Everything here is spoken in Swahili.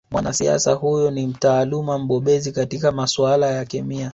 Mwanasiasa huyo ni mtaaluma mbobezi katika masuala ya kemia